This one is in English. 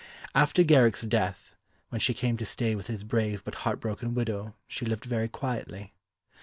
After Garrick's death, when she came to stay with his brave but heart broken widow she lived very quietly.